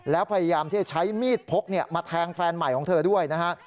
แล้วพยายามที่จะใช้มีดพกมาแทงแฟนใหม่ของเธอด้วยนะฮะ